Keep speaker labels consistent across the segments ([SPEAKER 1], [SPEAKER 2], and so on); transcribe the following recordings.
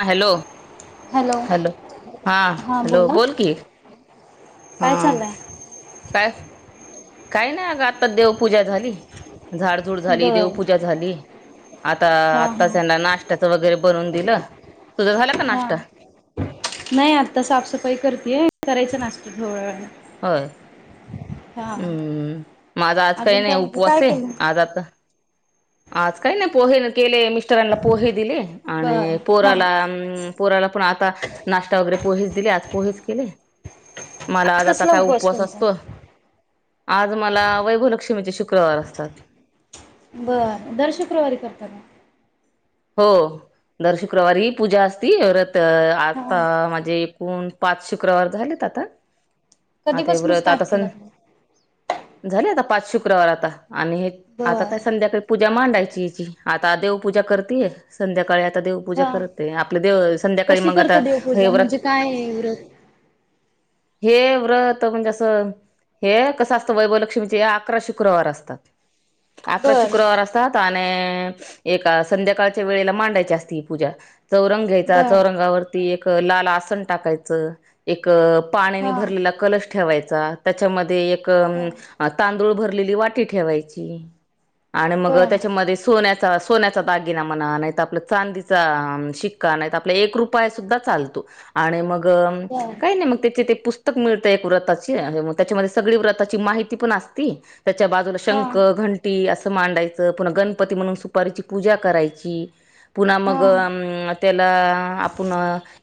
[SPEAKER 1] ह hello hello हा
[SPEAKER 2] हां
[SPEAKER 1] हॅलो
[SPEAKER 2] बोला
[SPEAKER 1] बोल कि. हा
[SPEAKER 2] काय चाललंय?
[SPEAKER 1] काय? काही नाही अगं आता देवपूजा झाली. झाडझुड झाली.
[SPEAKER 2] बर
[SPEAKER 1] देवपूजा झाली. आता
[SPEAKER 2] हा हा
[SPEAKER 1] आत्ता ह्यांना नाश्त्याचं वगैरे बनवून दिलं. तुझं झाला का
[SPEAKER 2] हां
[SPEAKER 1] नाश्ता?
[SPEAKER 2] नाही आत्ता साफ सफाई कर करायचं नास्तं होय
[SPEAKER 1] हय हम् माझा आज काही
[SPEAKER 2] अजून
[SPEAKER 1] नाही
[SPEAKER 2] काय म्हणते काय
[SPEAKER 1] उपवास आहे
[SPEAKER 2] केलं?
[SPEAKER 1] आज आता आज काही नाही पोहे केले मिस्टरांना पोहे दिले.
[SPEAKER 2] बर
[SPEAKER 1] आणि
[SPEAKER 2] हा
[SPEAKER 1] पोराला
[SPEAKER 2] आज
[SPEAKER 1] पोराला पण आ ता नाश्ता वगैरे पोहेच दिले आज पोहेच केले. मला आज आता
[SPEAKER 2] कसला
[SPEAKER 1] काय उपवास
[SPEAKER 2] तुमचा?
[SPEAKER 1] असतो, आज मला वैभवलक्ष्मीचे शुक्रवार असतात.
[SPEAKER 2] बरं, दर शुक्रवारी करता का?
[SPEAKER 1] हो दर शुक्रवारी पूजा असती परत
[SPEAKER 2] हा
[SPEAKER 1] आता माजे एकूण पाच शुक्रवार झालेत. तता आता हे
[SPEAKER 2] कधीपासून
[SPEAKER 1] व्रत
[SPEAKER 2] स्टार्ट
[SPEAKER 1] आता
[SPEAKER 2] केला
[SPEAKER 1] सण
[SPEAKER 2] तुम्ही?
[SPEAKER 1] झाले आता पाच शुक्रवार आता आणि हे आता
[SPEAKER 2] बर
[SPEAKER 1] काय संध्याकाळी पू जा मांडायची याची आता देव पूजा करतेय संध्याकाळी आता देवपूजा
[SPEAKER 2] हा
[SPEAKER 1] करत आपले देव संध्याकाळी
[SPEAKER 2] कशी
[SPEAKER 1] मग आता
[SPEAKER 2] करता
[SPEAKER 1] हे
[SPEAKER 2] देवपूजा
[SPEAKER 1] व्रत
[SPEAKER 2] म्हणजे काय आहे व्रत?
[SPEAKER 1] हे व्रत म्हणजे असं हे कसं असतं वैभवलक्ष्मीचे अकरा शुक्रवार असतात. अकरा
[SPEAKER 2] बर
[SPEAKER 1] शुक्रवार असतात आणि एक संध्याकाळच्या वेळेला मांडायची असते ही पूजा चौरंग घ्यायचा
[SPEAKER 2] बर
[SPEAKER 1] चौरंगावरती एक लाल आसन टाकायच, एक पाण्यानी
[SPEAKER 2] हा
[SPEAKER 1] भरलेला कलश ठेवायचा त्याच्यामध्ये एक
[SPEAKER 2] बर
[SPEAKER 1] तांदूळ भरलेली वाटी ठेवायची. आणि मग
[SPEAKER 2] बर
[SPEAKER 1] त्याच्यामध्ये सोन्याचा असो दागिना म्हणा नाहीतर चांदीचा शिक्का नाहीतर आपला एक रुपयासुध्दा चालतो. गं
[SPEAKER 2] बर
[SPEAKER 1] काय नाही मग त्याचे ते पु स्तक मिळतं एक व्रताची मी त्याच्यामध्ये सगळी व्रताची माहिती पण असती त्याच्या बाजूला
[SPEAKER 2] हा
[SPEAKER 1] शंख, घंटी असं मांडायचं पुन्हा गणपती म्हणून सुपारीची पूजा करायची पुन्हा
[SPEAKER 2] हा
[SPEAKER 1] मग त्याला आपण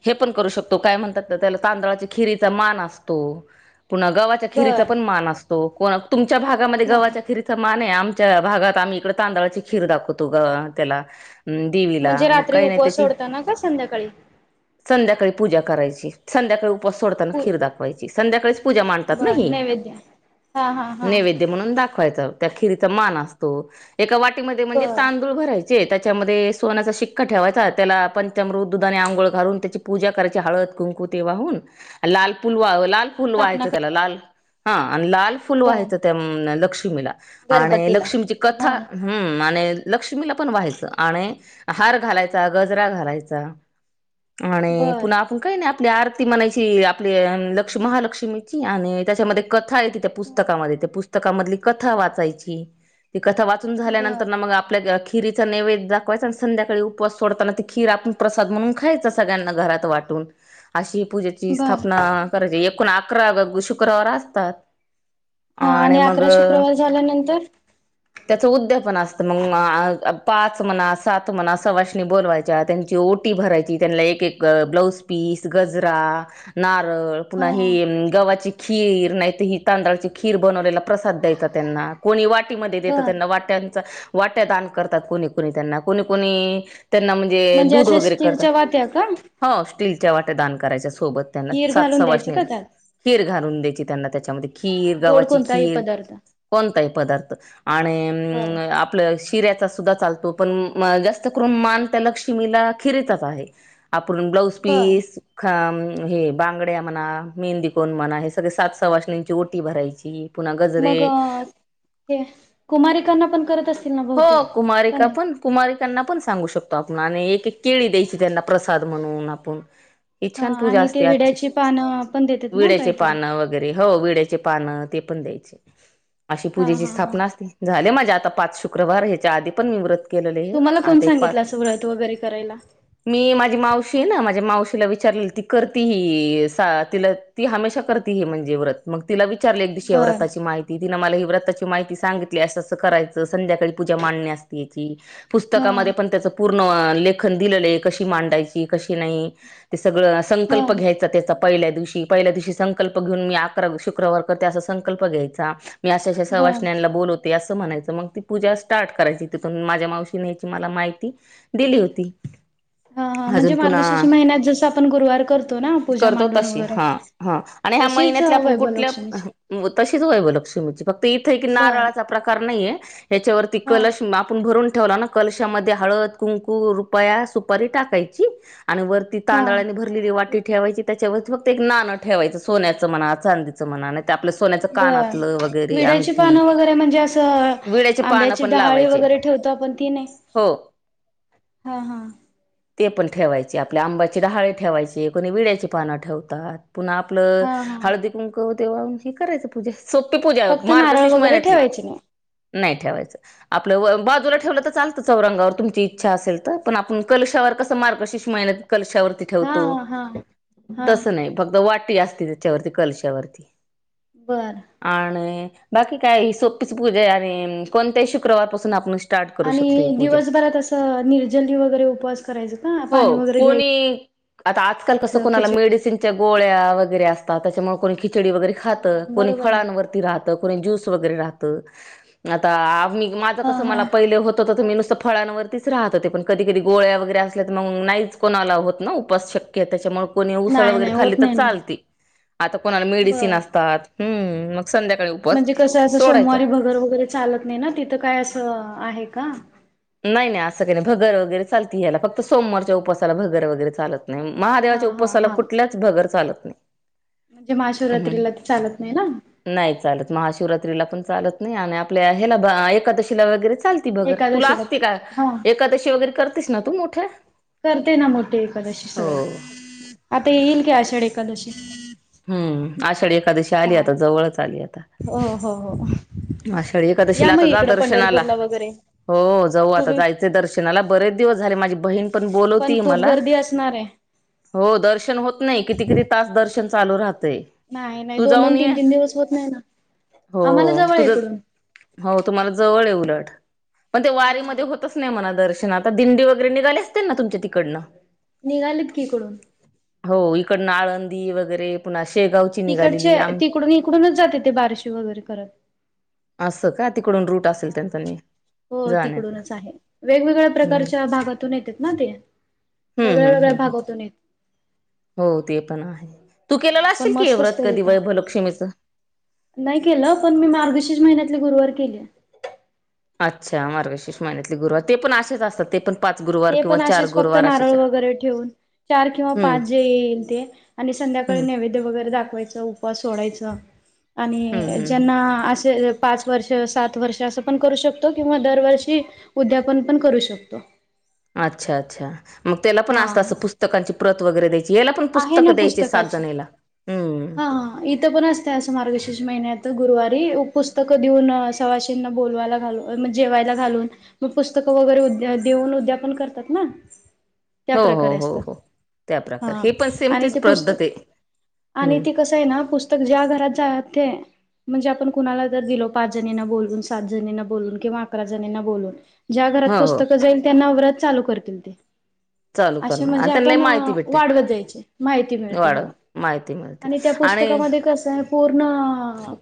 [SPEAKER 1] हे पण करू शकतो काय म्हणतात त्याला तांदळाच्या खिरीचा मान असतो. पुन्हा गव्हाच्या खिरीचा
[SPEAKER 2] बर
[SPEAKER 1] पण मान असतो कोण तुमच्या भागामध्ये
[SPEAKER 2] हा
[SPEAKER 1] गव्हाच्या खिरीचा मान आहे. आम च्या भागात आम्ही इकडे तांदळाची खीर दाखवतो ग त्याला ह देवीला,
[SPEAKER 2] म्हणजे
[SPEAKER 1] मग
[SPEAKER 2] रात्री
[SPEAKER 1] काही नाही
[SPEAKER 2] उपवास
[SPEAKER 1] त्याची
[SPEAKER 2] सोडताना का संध्याकाळी
[SPEAKER 1] संध्याकाळी पूजा करायची संध्याकाळी उपास सोडताना खीर दाखवायची संध्याकाळी पूजा मंडतात
[SPEAKER 2] बर
[SPEAKER 1] ही
[SPEAKER 2] नैवेद्य हा हा हा
[SPEAKER 1] नैवेद्य म्हणून दाखवायचं त्या खिरीचा मान असतो एका वाटीमध्ये म्हणजे
[SPEAKER 2] बर
[SPEAKER 1] तांदूळ भरायचे ते त्याच्यामध्ये सोनचा शिक्का ठेवायचा त्याला पंचमृत दुधाने अंगोळ घालून त्याची पूजा करायची हळद कुंकुते वाहून लाल लाल ला फुल
[SPEAKER 2] स्थापना
[SPEAKER 1] वयचं
[SPEAKER 2] कर
[SPEAKER 1] त्याला लाल हा आणि लाल फुल
[SPEAKER 2] बर
[SPEAKER 1] व्हायचं त्या लक्ष्मीला आणि लक्ष्मीची
[SPEAKER 2] हा
[SPEAKER 1] कथा हम्म आणि लक्ष्मीला पण व्हायचं आणि हार घालायचा गजरा घालायचा आणि
[SPEAKER 2] बर
[SPEAKER 1] पुन्हा आपण काही नाही आपली आरती म्हणायची आपले लक्ष्मी महालक्ष्मीची आणि त्याच्यामध्ये कधा कथा आहेत त्या पुस्तकामध्ये त्या पुस्तकामधली कथा वाचायची ती कथा वाचून झाल्यानंतर
[SPEAKER 2] बर
[SPEAKER 1] ना मग आपन खिरीचा नैवेद दाखवायच आणि संध्याकाळी उपवास सोडताना ती खीर आपण प्रसाद म्हणून खायचां सगळ्यांना घरात वाटून वाटून अशी पूजेची
[SPEAKER 2] बर
[SPEAKER 1] स्थापना करायची एकूण अकरा शुक्रवार असतात
[SPEAKER 2] हा
[SPEAKER 1] आणि मग
[SPEAKER 2] अकरा शुक्रवार झाल्यानंतर
[SPEAKER 1] त्याच उद्यापन असत म पाच म्हणा सात म्हणणा सवासणी बोलवायच्या त्यांची ओटी भरायची त्यांना एक ब्लाउज पीस गजरा नारळ पुन्हा
[SPEAKER 2] हा
[SPEAKER 1] येईल गव्हाची खीर ह तांदळाची खीर बनवलेला प्रसाद द्यायचा त्यांना कोणी वाटी वाटीमध्ये देत
[SPEAKER 2] बर
[SPEAKER 1] त्यांना वाट्यांचा वाट्या दान करतात कोणी कोणी त्यांना कुणी कुणी त्यांना म्हणजे दूध
[SPEAKER 2] अशा
[SPEAKER 1] वगैरे करता
[SPEAKER 2] स्टीलच्या वात्या का
[SPEAKER 1] हो स्टीलच्या वाट्या दान करायच्या सोबत त्यांना
[SPEAKER 2] खीर
[SPEAKER 1] सात
[SPEAKER 2] घालून द्यायचं
[SPEAKER 1] सवासनी
[SPEAKER 2] का त्यात
[SPEAKER 1] खीर घालून द्यायची त्यांना त्याच्यामध्ये खीर
[SPEAKER 2] गोड
[SPEAKER 1] गव्हाची
[SPEAKER 2] कोणताही
[SPEAKER 1] खीर
[SPEAKER 2] पदार्थ
[SPEAKER 1] कोणताही पदार्थ आणि
[SPEAKER 2] बर
[SPEAKER 1] शिऱयाच सुधा चालतो पण जास्त करून मान त्या लक्ष्मीला खिरीचाच आहे आपुन ब्लाऊज
[SPEAKER 2] बर
[SPEAKER 1] पीस खाम हे बांगड्या म्हणा मेहंदी कोण म्हणा हे सगळे सात स वासण्यांची ओटी भरायची पुन्हा गजरे
[SPEAKER 2] मग हे कुमारीकांना पण करत असतील ना बहुतेक
[SPEAKER 1] हो
[SPEAKER 2] का
[SPEAKER 1] कुमारिका
[SPEAKER 2] नाही
[SPEAKER 1] पण कुमारिक त्यांना पण सांगू शकतो आपण आणि एक एक केळी द्यायची त्यांना प्रसाद म्हणून आपण ही
[SPEAKER 2] हा
[SPEAKER 1] छान पूजा
[SPEAKER 2] आणि ते
[SPEAKER 1] असते आजची
[SPEAKER 2] विड्याची पानं पण देतात ना
[SPEAKER 1] विड्याचे
[SPEAKER 2] काहीतरी
[SPEAKER 1] पानं वगैरे हो विड्याचे पानं ते पण द्यायचे अशी
[SPEAKER 2] हा
[SPEAKER 1] पूजेची
[SPEAKER 2] हा हा
[SPEAKER 1] स्थापना असते झाले माझ्या आता पाच शुक्रवार शुक्रवार यायच्या आधी पण व्रत भरले
[SPEAKER 2] तुम्हाला कोण
[SPEAKER 1] आज एक पाच
[SPEAKER 2] सांगितलं असं व्रत वगैरे करायला?
[SPEAKER 1] मी माझी मावशी ना माझ माझ मावशीला विचारले ती करती ही तिला ती हमेशा कर ह म्हणजे व्रत मग तिलाविचार विचारले एक दि
[SPEAKER 2] बर
[SPEAKER 1] शिव्रताची माहिती तिनं मला हिव्रताची माहि सांगितली असं असं करायचं संध्याकाळी पूजा मांडणी असते ती
[SPEAKER 2] हा
[SPEAKER 1] पुस्तकांमध्ये पण त्याचं पूर्ण लेखन दिलेलं आहे कशी मांडायची कशी नाही सगळं
[SPEAKER 2] हा
[SPEAKER 1] संकल्प घ्यायचा त्याचा पहिल्या दिवशी पहिल्या दिवशी संकल्प घेऊन मी अकरा शुक्रवार करते असा संकल्प घ्यायचा मी अशाशा
[SPEAKER 2] बर
[SPEAKER 1] सवासण्यांना बोलवते असं म्हणायचं मग ती पूजा स्टार्ट करायची तिथून माझ्या मावशीने याची मला माहिती दिली होती
[SPEAKER 2] हा हा
[SPEAKER 1] अजून
[SPEAKER 2] म्हणजे
[SPEAKER 1] पुन्हा
[SPEAKER 2] मार्गशीर्ष महिन्यात जस आपण गुरुवार करतो ना पूजा
[SPEAKER 1] करतो
[SPEAKER 2] मांडून
[SPEAKER 1] तशी
[SPEAKER 2] वगैरे
[SPEAKER 1] हा हा आणि ह्या
[SPEAKER 2] तशीच
[SPEAKER 1] महिन्यातल्या आपण कुठल्या
[SPEAKER 2] वैभवलक्ष्मीची
[SPEAKER 1] तशीच व्हायव लक्ष्मीची फक्त इथ की
[SPEAKER 2] बर
[SPEAKER 1] नारळाचा प्रकार नाहीय ह्याच्यावरती
[SPEAKER 2] हा
[SPEAKER 1] कलश आपण भरून ठेवला ना कलशामध्ये हळद कुंकू रुपया सुपारी टाकायची आणि वरती
[SPEAKER 2] हा
[SPEAKER 1] तांदळाने भरलेली वाटी ठेवायची त्याच्यावरती फक्त एक नाणं ठेवायचं सोन्याचं म्हणा चांदीचं म्हनानाही तर
[SPEAKER 2] बर विड्याची
[SPEAKER 1] अंगठी
[SPEAKER 2] पानं वगैरे म्हणजे असं
[SPEAKER 1] विड्याचे पानं
[SPEAKER 2] आंब्याची
[SPEAKER 1] पण
[SPEAKER 2] डहाळी
[SPEAKER 1] लावायचे
[SPEAKER 2] वगैरे ठेवतो आपण ती नाही
[SPEAKER 1] हो
[SPEAKER 2] हा हा
[SPEAKER 1] ते पण ठेवायचे आपल्या आंबाची डहाळे ठेवायचे कोणी विड्याची पानं ठेवतात. पुन्हा आपलं
[SPEAKER 2] हा हा
[SPEAKER 1] हळदी कुंक तेव्हा हेि करायचं पूजा सोपी पूजा
[SPEAKER 2] फक्त नारळ
[SPEAKER 1] मार्गशीर्ष
[SPEAKER 2] वगैरे
[SPEAKER 1] महिन्यातली
[SPEAKER 2] ठेवायचे नाही.
[SPEAKER 1] नाही ठेवायचं आपलं बाजूला ठेवलं तर चालतं चौरंगावर तुमची इच्छा असेल तर पण आपण कलशावर कस मार्गशीर्श माहिन्यात कलशावरती
[SPEAKER 2] हा
[SPEAKER 1] ठेवतो
[SPEAKER 2] हा हा हा
[SPEAKER 1] तस नाही फक्त वाटी वाटी असते त्याच्यावरती कलशावरती
[SPEAKER 2] बर
[SPEAKER 1] आणि बाकी काय ही सोपीच पूजा आहे आणि कोणत्याही शुक्रवारपासून आपण स्टार्ट करू
[SPEAKER 2] आणि
[SPEAKER 1] शकतो ही पूजा
[SPEAKER 2] दिवसभरात असं निर्जली वगैरे उपवास करायचं का
[SPEAKER 1] हो
[SPEAKER 2] पाणी वगैरे घ्यायच
[SPEAKER 1] कोणी आता आजकाल कसं कोणाला मेडिसनच्या गोळ्या वगैरे असतात त्याच्यामुळे कोणी खिचडी वैगेरे खात.
[SPEAKER 2] हा
[SPEAKER 1] कोणी
[SPEAKER 2] बरोबर ना
[SPEAKER 1] फळांवरती रहात, कोणी जुस वर वैगेरे रहात, आत्ता आम्ही माझं
[SPEAKER 2] हा
[SPEAKER 1] कसं मला
[SPEAKER 2] हा
[SPEAKER 1] पहिलं होत होत फळांवरतीच राहत होते पण कधी कध गोळ्या वगैरे असल्या तर मग नाहीच कोणाला होत ना उपास शक्य त्याच्यामुळे आणि उसळ
[SPEAKER 2] नाही
[SPEAKER 1] वैगेरे
[SPEAKER 2] नाही
[SPEAKER 1] खाली
[SPEAKER 2] होत
[SPEAKER 1] तर
[SPEAKER 2] नाही ना
[SPEAKER 1] चालत आणि कोणाला मेडिसिन
[SPEAKER 2] बर
[SPEAKER 1] असतात संध्याकाळी उपवास
[SPEAKER 2] म्हणजे कसं असं
[SPEAKER 1] सोडायचा
[SPEAKER 2] सोमवारी भगर वगैरे चालत नाही ना तिथं काय असं आहे का?
[SPEAKER 1] नाही नाही असं काही नाही भगर वगैरे चालत याला फक्त सोमवारच्या उपासाला भगर वगैरे चालत नाही. नाही,
[SPEAKER 2] हा
[SPEAKER 1] महादेवाच्या
[SPEAKER 2] हा
[SPEAKER 1] उपवासाला
[SPEAKER 2] हा
[SPEAKER 1] कुठल्याच भगर चालत नाही.
[SPEAKER 2] म्हणजे महाशिवरात्रीला ते चालत नाही ना
[SPEAKER 1] नाही, चालत महाशिवरात्रीला पण चालत नाही आणि आपल्या ह्याला एकादशीला वगैरे चालती भगर. तुला
[SPEAKER 2] एकादशीला
[SPEAKER 1] असते का
[SPEAKER 2] हा
[SPEAKER 1] एकादशी वगैरे करतेस ना तू मोठे
[SPEAKER 2] करते ना मोठे एकादशी सगळं आता येईल की आषाढ एकादशी
[SPEAKER 1] हम्म, आषाढी एकादशी आली
[SPEAKER 2] हा
[SPEAKER 1] आता जवळच आली आता
[SPEAKER 2] हो हो हो
[SPEAKER 1] आषाढी
[SPEAKER 2] या
[SPEAKER 1] एकादशीला
[SPEAKER 2] मग
[SPEAKER 1] आता जा
[SPEAKER 2] इकडं
[SPEAKER 1] दर्शनाला.
[SPEAKER 2] पंढरपूरला वगैरे
[SPEAKER 1] हो जाऊ आता
[SPEAKER 2] तुम्ही
[SPEAKER 1] जायचे दर्शनाला बरेच दिवस झाले माझी बहिण पण
[SPEAKER 2] पण
[SPEAKER 1] बोलवते
[SPEAKER 2] खूप
[SPEAKER 1] मला,
[SPEAKER 2] गर्दी असणार आहे
[SPEAKER 1] हो दर्शन होत नाही किती किती तास दर्शन ते
[SPEAKER 2] नाही नाही
[SPEAKER 1] तू
[SPEAKER 2] दोन दोन
[SPEAKER 1] जाऊन ये.
[SPEAKER 2] तीन तीन दिवस होत नाही ना
[SPEAKER 1] हो,
[SPEAKER 2] आम्हाला जवळ आहे इकडून.
[SPEAKER 1] तुझं हो तुम्हाला जवळ आहे उलट पण ते
[SPEAKER 2] हा.
[SPEAKER 1] वारीमध्ये होतच नाही म्हणा दर्शन आता दिंडी वगैरे निघाले असतील ना तुमच्या तिकडनं
[SPEAKER 2] निघालेत की ईकडून
[SPEAKER 1] हो इकडनं आळंदी वगैरे पुन्हा शेगावची
[SPEAKER 2] तिकडचे
[SPEAKER 1] निघालेली. आम
[SPEAKER 2] तिकडून इकडूनच जाते ते बारशी वगैरे करत.
[SPEAKER 1] असं का तिकडून रूट असेल
[SPEAKER 2] हा.
[SPEAKER 1] त्यांचा नेहमी
[SPEAKER 2] हो तिकडूनच आहे वेगवेगळ्या
[SPEAKER 1] हम्म
[SPEAKER 2] प्रकारच्या भागातून येतेत ना ते
[SPEAKER 1] हम्म
[SPEAKER 2] वेगळ्या
[SPEAKER 1] हम्म
[SPEAKER 2] वेगळ्या
[SPEAKER 1] हम्म
[SPEAKER 2] भागातून येत
[SPEAKER 1] हो ते पण आहे. तू केलेला
[SPEAKER 2] पण
[SPEAKER 1] असशील की हे
[SPEAKER 2] मस्त
[SPEAKER 1] व्रत
[SPEAKER 2] असतं
[SPEAKER 1] कधी
[SPEAKER 2] तिथ
[SPEAKER 1] वैभलक्ष्मीचं
[SPEAKER 2] नाही केलं पण मी मार्गशिष महिन्यातले गुरुवार केले.
[SPEAKER 1] अच्छा मार्गशीर्ष महिन्यातले गुरुवार ते
[SPEAKER 2] हा.
[SPEAKER 1] पण असेच असतात ते पण पाच गुरुवार
[SPEAKER 2] ते
[SPEAKER 1] किंवा
[SPEAKER 2] पण
[SPEAKER 1] चार
[SPEAKER 2] असेच फक्त
[SPEAKER 1] गुरुवार
[SPEAKER 2] नारळ
[SPEAKER 1] असेच
[SPEAKER 2] वगैरे ठेवून चार किंवा
[SPEAKER 1] हम्म
[SPEAKER 2] पाच जे येईल ते आणि संध्याकाळ
[SPEAKER 1] हम्म
[SPEAKER 2] नैवेद्य वगैरे दाखवायच उपवास सोडायचा
[SPEAKER 1] हम्म
[SPEAKER 2] आणि
[SPEAKER 1] हम्म हम्म
[SPEAKER 2] ज्यांना असे पाच वर्ष, सात वर्ष असं पण करू शकतो किंवा दरवर्षी उद्यापन पण करू शकतो.
[SPEAKER 1] अच्छा अच्छा मग त्याला पण
[SPEAKER 2] हा
[SPEAKER 1] असत असं पुस्तकांची प्रत वगैरे द्याय.
[SPEAKER 2] आहे ना पुस्तकाचे
[SPEAKER 1] हं.
[SPEAKER 2] ह हा इथं पण असते. मारगशीर्ष महिन्यात गुरुवारी पुस्तकं देऊन सवासिनला बोवायला घाल म्हणजे जेवायला घालून मग पुस्तक वगैरे देऊन उद्यापन करतात ना
[SPEAKER 1] हो हो हो हो त्या प्रकार
[SPEAKER 2] ह आणि ते पुस्तक आणि
[SPEAKER 1] हं.
[SPEAKER 2] ते कसं आहे ना पुस्तक ज्या घरात मध्ये म्हणजे आपण कुणाला जर दिलो पाच जणींना बोलून सात जणींना बोलून किंवा अकरा जणींना बोलून ज्या घरात
[SPEAKER 1] हो, हो.
[SPEAKER 2] पुस्तकं जाईल त्यांना व्रत चालू करतील ते
[SPEAKER 1] चालू
[SPEAKER 2] असे
[SPEAKER 1] करणार
[SPEAKER 2] म्हणजे
[SPEAKER 1] आणि त्यांनाही
[SPEAKER 2] आपण
[SPEAKER 1] माहिती भेटते.
[SPEAKER 2] वाढवत जायचे माहिती मिळते
[SPEAKER 1] वाढ
[SPEAKER 2] हो
[SPEAKER 1] माहिती मिळते
[SPEAKER 2] आणि त्या
[SPEAKER 1] आणि
[SPEAKER 2] पुस्तकामध्ये कसं आहे पूर्ण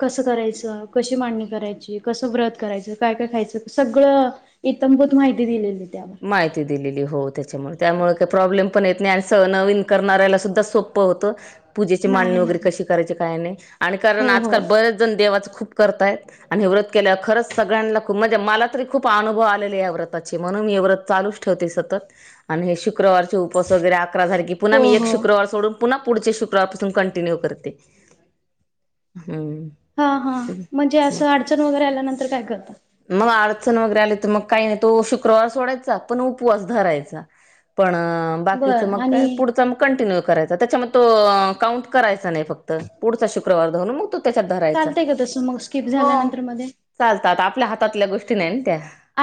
[SPEAKER 2] कसं करायचं कशी मांडणी करायची कसं व्रत करायचं काय काय खायचं ते सगळं सगळ इतंभूत माहिती दिलेली त्यावर
[SPEAKER 1] माहिती दिलेली हो त्याच्यामुळे त्यामुळे
[SPEAKER 2] हो
[SPEAKER 1] काय प्रॉब्लेम पण येत नाही चला नवीन करऱ्याला सुध्धा सोप्प होत पूजेची मांडणी
[SPEAKER 2] नाही
[SPEAKER 1] वगैरे
[SPEAKER 2] नाही
[SPEAKER 1] कशी करायची काय नाही आणि कारण
[SPEAKER 2] हो हो
[SPEAKER 1] आजकाल बरेच जण देवाचं खूप करतायेत आणि हे व्रत केल्यावर खरंच सगळ्यांना खूप म्हणजे मला तरी खूप अनुभव आले आहे या व्रताची मग मग हे व्रत चालूच ठेवते सतत आणि हे शुक शुक्रवार उपास वगैरे आकरा सारखे पुन्हा
[SPEAKER 2] हो
[SPEAKER 1] मी एक
[SPEAKER 2] हो
[SPEAKER 1] शुक्रवार सोडून पुन्हा पुढचे शुक्रवारपासून कंटिन्यू करते हम.
[SPEAKER 2] हा हा म्हणजे असं अडचण वगैरे आल्यानंतर काय करता
[SPEAKER 1] मग अडचण वगैरे आली तर मग काही नाही तो शुक्रवार सोडायचा पण उपवास धरायचा पण बाकीच
[SPEAKER 2] बरं
[SPEAKER 1] मग काय
[SPEAKER 2] आणि
[SPEAKER 1] पुढचा मग कंटिन्यू करायचा त्याच्या तो काउंट करायचा नाही फक्त पुढचा शुक्रवार धरून मग तो त्याच्यात धरायचा
[SPEAKER 2] चालतंय का तसं मग स्किप
[SPEAKER 1] हो
[SPEAKER 2] झाल्यानंतर मध्ये
[SPEAKER 1] चालतात आप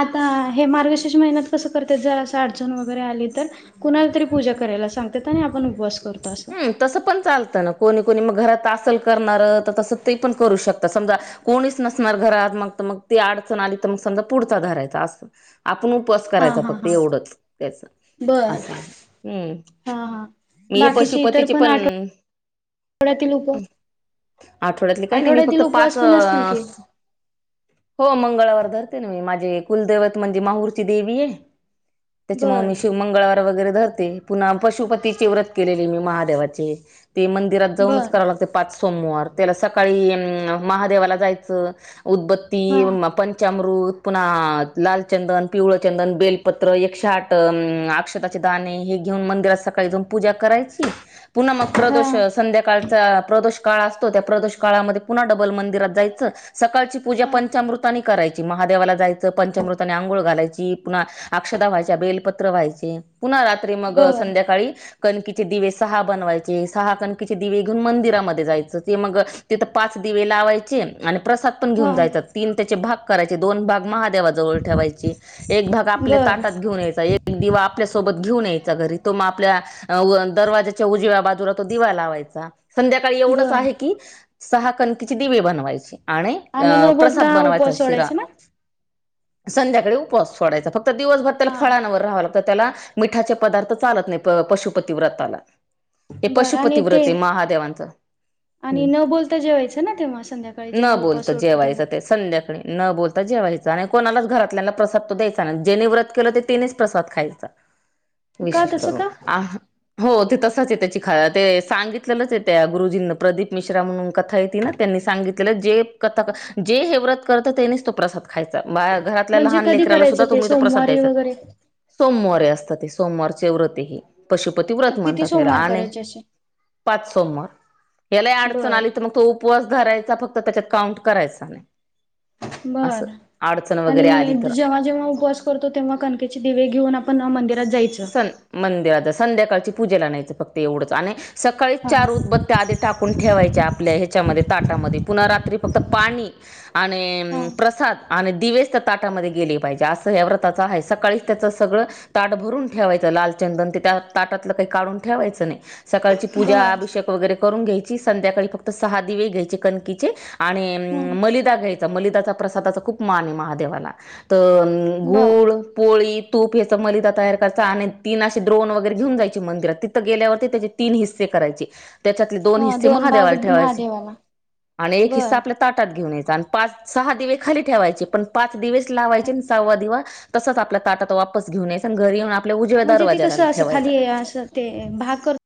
[SPEAKER 2] आता हे मार्गशीर्ष महीन्यात कस करतात ज अस अडचन व गैर आली तर कुणाला तरी पूजा करायला सांगतात आणि आपण उपवास करतो असं
[SPEAKER 1] हम् तसं पण चालतं न कोणी कोणी मग घरात तासल करणार तर तसं ते पण करू शकतात समजा कोणीच नसणार घरात मग मग ते अडचण आली तर मग समजा पुढचा धरायचा आपण उपवास
[SPEAKER 2] हा
[SPEAKER 1] करायचा
[SPEAKER 2] हा
[SPEAKER 1] फक्त
[SPEAKER 2] हा
[SPEAKER 1] एवढंच तस
[SPEAKER 2] बर
[SPEAKER 1] असं आहे हम्
[SPEAKER 2] हा हा
[SPEAKER 1] मी हे
[SPEAKER 2] बाकीचे इतर
[SPEAKER 1] पशुपतीचे पण
[SPEAKER 2] आठव आठवड्यातील उपवास
[SPEAKER 1] आठवड्यातली काही नाही मी फक्त
[SPEAKER 2] आठवड्यातील
[SPEAKER 1] पाच
[SPEAKER 2] उपवास पण असतील की
[SPEAKER 1] अस हो मंगळवार धरते ना मी माझी कुलदेवत म्हणजे माहरची दे आहे त्याच्या
[SPEAKER 2] बर
[SPEAKER 1] मी मंगळवार वगैरे धरते ते पुन्हा पशुपतीचे व्रत केलेले मी महादेवाचे ते मंदिरात जाऊनच
[SPEAKER 2] बर
[SPEAKER 1] कराव लागते पाच सोमवार त्याला सकाळी अम्. महादेवाला जायचं
[SPEAKER 2] हा
[SPEAKER 1] उदबत्ती म पंचामृत पुन्हा लालचंदन, पिवळचंदन बेलपत्र एकशे आठ अ अक्षताचे दाने आणि हे घेऊन मंदिरात सकाळी जाऊन पूजा करायची पुन्हा मग
[SPEAKER 2] हा
[SPEAKER 1] प्रदोष संध्याकाळ चा प्रदोष काळ असतो, त्या प्रदोष काळामध्ये पुन्हा डबल मंदिरात जायचं, सकाळची पूजा
[SPEAKER 2] हा
[SPEAKER 1] पंचामृता ने करायची महादेवाला जायचं पंचमृताने आंघोळ घालायची पुन्हा अक्षदा वहायच्या, बेलपत्र वहायचे पुन्हा रात्री मग
[SPEAKER 2] बर
[SPEAKER 1] संध्याकाळी कणकीचे दिवेस सहा बनवायचे, सहा कणकीचे दिवे घेऊन मंदिरामध्ये जायचं, ते मग तिथ पाच दिवे लावायचे आणि प्रसाद पण
[SPEAKER 2] हा
[SPEAKER 1] घेऊन जायचा, तीन त्याचे भाग करायचे दोन भाग महा देवा जवळ ठेवायची, एक भाग आपल्या
[SPEAKER 2] बर
[SPEAKER 1] ताटात घेऊन यायचा, एक दिवा आपल्यासोबत घेऊन यायचा घरी तो मग आपल्या, दरवाज्याच्या उजव्या बाजूला तो दिवा लावायचा संध्याकाळी एवढंच
[SPEAKER 2] बर
[SPEAKER 1] आहे की, सहा कणकीची दिवे बनवायचे. आणि आ.
[SPEAKER 2] न बोलता
[SPEAKER 1] प्रसाद बनवायचा
[SPEAKER 2] उपवास
[SPEAKER 1] शिरा
[SPEAKER 2] सोडायचा ना
[SPEAKER 1] संध्याकाळी उपवास सोडायचा, फक्त दिवसभर त्याला
[SPEAKER 2] हा
[SPEAKER 1] फळांवर राहाव लागतं. तर त्याला मिठाचे पदार्थ चालत नाहीत, पशुपती व्रताला. हे
[SPEAKER 2] बरं
[SPEAKER 1] पशुपती
[SPEAKER 2] आणि
[SPEAKER 1] व्रत
[SPEAKER 2] ते
[SPEAKER 1] आहे महादेवांचं. ह
[SPEAKER 2] आणि न बोलता जेवायचं ना तेव्हा संध्याकाळी
[SPEAKER 1] न
[SPEAKER 2] जेव्हा
[SPEAKER 1] बोलत
[SPEAKER 2] उपास सोडतो तेव्हा
[SPEAKER 1] जेवायचं, ते संध्याकाळी न बोलता जेवायचं. आणि कोणालाच घरातल्याला प्रसाद तो द्यायचा नही. जेनी व्रत केलं ते तेनीच प्रसाद खायचा.
[SPEAKER 2] का
[SPEAKER 1] विशेष
[SPEAKER 2] तसं
[SPEAKER 1] करून
[SPEAKER 2] का?
[SPEAKER 1] आ ह हो ते तस त्याची त्याची खाय ते सांगितलेलंच हे त्या गुरुजींन, प्रदीप मिश्रा म्हणून कथा आहे, ती ना त्यांनी सांगितलेलं जे कथा करत जे हेव्रत करता तेनीच तो प्रसाद खायचा बा घरातल्या
[SPEAKER 2] म्हणजे
[SPEAKER 1] लहान
[SPEAKER 2] कधी
[SPEAKER 1] लेकराला
[SPEAKER 2] करायचं
[SPEAKER 1] सुद्धा
[SPEAKER 2] ते
[SPEAKER 1] तुमही तर प्रसाद
[SPEAKER 2] सोमवारी
[SPEAKER 1] द्यायचा
[SPEAKER 2] वगैरे
[SPEAKER 1] सोमवारी असता ते सोमवारचे व्रत हे, पशुपती व्रत
[SPEAKER 2] किती
[SPEAKER 1] म्हणतात. ह्याला
[SPEAKER 2] सोमवार
[SPEAKER 1] आणि
[SPEAKER 2] करायचे अशे?
[SPEAKER 1] पाच सोमवार, यालाही अडचण
[SPEAKER 2] बर
[SPEAKER 1] आली त म तो उपवास धरायचा फक्त त्याच्यात काउंट करायचा नाही.
[SPEAKER 2] बर
[SPEAKER 1] असं अडचण वगैरे आली
[SPEAKER 2] आणि
[SPEAKER 1] तर
[SPEAKER 2] जेव्हा, जेव्हा, उपवास करतो तेव्हा कणकेचे दिवे घेऊन आपण अ मंदिरात जायचं.
[SPEAKER 1] सन मंदिर आत संध्याकाळची पूजेला न्यायचं फक्त एवढंच आणि सकाळी
[SPEAKER 2] हा
[SPEAKER 1] चार उद बत्या आधी टाकून ठेवायच्या आपल्या ह्याच्यामध्ये ताटामध्ये पुन्हा रात्री फक्त पाणी,
[SPEAKER 2] हा
[SPEAKER 1] आणि प्रसाद आणि दिवेस त्या ताटामध्ये गेले पाहिजे असं या व्रताचं आहे, सकाळीच त्याचं सगळं ताट भरून ठेवायचं लालचंदन ते त्या ताटातलं काही काढून ठेवायचं नाही, सकाळची पूजा
[SPEAKER 2] बर
[SPEAKER 1] अभिषेक वगैरे. करून न घ्यायची संध्याकाळी फक्त सहा दिवे घ्यायचे, कणकी चे आणि
[SPEAKER 2] हम्म
[SPEAKER 1] मलीदा घ्याय मलीदा चा प्रसादा चा खूप मान आहे महादेवाला तर
[SPEAKER 2] बर
[SPEAKER 1] गुळ पोळी तूप याचा मलिदा तयारं करायचा आणि तीन असे द्रोण वगैरे घेऊन जायचे मंदिरात ती गेल्यावरती त्याचे तीन हिस्से करायचे. त्याच्यातले दोन
[SPEAKER 2] हा
[SPEAKER 1] हिस्से
[SPEAKER 2] भाग
[SPEAKER 1] महादेवाला ठेवायचे
[SPEAKER 2] महादेवाला
[SPEAKER 1] आणि एक हिस्सा
[SPEAKER 2] बर
[SPEAKER 1] आपल्या ताटात घेऊन यायच. पाच सहा दिवे खाली ठेवायचे पण पाच दिवेस लावायचे सहावा दिवा तसाच आपल्या ताटात वापस घेऊन यायचा, आणि घरी येऊन आपल्या उजव्या
[SPEAKER 2] म्हणजे ते
[SPEAKER 1] दरवाज्याला
[SPEAKER 2] कसं असं
[SPEAKER 1] ठेवायचा
[SPEAKER 2] खाली असं ते भाग कर